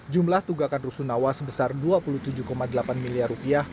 jumlah tunggakan rusunawa sebesar dua puluh tujuh delapan miliar rupiah